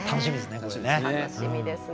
楽しみですね。